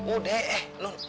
udah eh nun